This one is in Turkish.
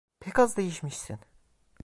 Pek az değişmişsin…